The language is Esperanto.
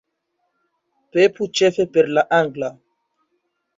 Pepu ĉefe per la angla